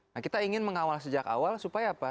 nah kita ingin mengawal sejak awal supaya apa